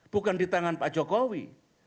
bukan di tangan pak jokowi